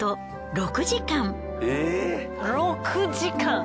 ６時間！？